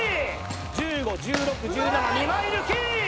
１５１６１７２枚抜き！